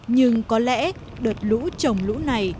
nhưng có lẽ đợt lũ trồng lũ này